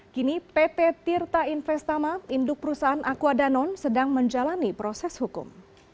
kini pt tirta investama induk perusahaan aquadanon sedang menjalani proses hukum